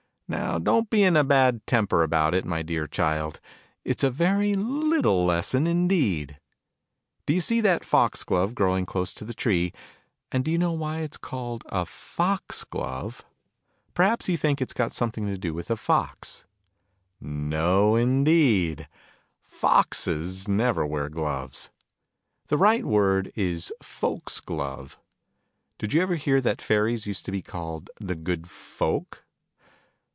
Now don't be in a bad temper about it, my dear Child ! It's a very little lesson indeed ! Do you see that Fox Glove growing close to the tree ? And do you know why it's called a ifar Glove ? Perhaps you Digitized by Google THE CHESHIRE CAT. 35 think it's got something to do with a Fox ? No indeed ! Foxes never wear Gloves ! The right word is "Folk's Gloves." Did you ever hear that Fairies used to be called " the good Folk"?